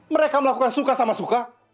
mereka melakukan suka sama suka